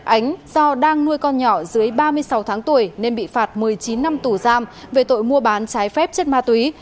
ánh do đang nuôi con nhỏ dưới ba mươi sáu tháng tuổi nên bị phạt một mươi chín năm tù giam về tội mua bán trái phép chất ma túy